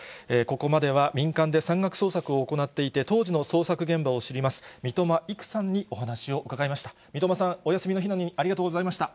ここまでは、民間で山岳捜索を行っていて当時の捜索現場を知ります、三笘育さんにお話を伺いました。